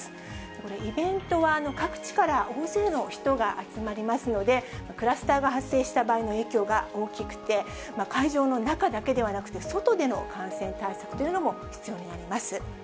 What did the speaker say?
これ、イベントは各地から大勢の人が集まりますので、クラスターが発生した場合の影響が大きくて、会場の中だけではなくて、外での感染対策というのも必要になります。